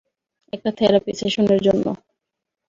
একটি থেরাপি সেশনের জন্য।